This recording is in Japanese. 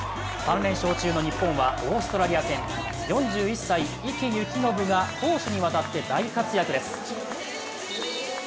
３連勝中の日本はオーストラリア戦４１歳、池透暢が攻守にわたって大活躍です。